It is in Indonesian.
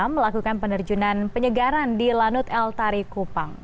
melakukan penerjunan penyegaran di lanut el tari kupang